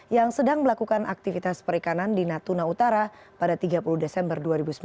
yang sedang melakukan aktivitas perikanan di natuna utara pada tiga puluh desember dua ribu sembilan belas